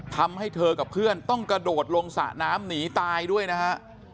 ทำให้เธอกับเพื่อนต้องกระโดดลงสระน้ำหนีตายด้วยนะฮะ